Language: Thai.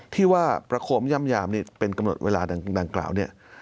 ที่ว่าประโคมย่ำยามนี่เป็นกำหนดเวลาดังกล่าวเนี่ย